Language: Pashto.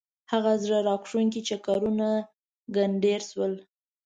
هغه زړه راکښونکي چکرونه ګنډېر شول.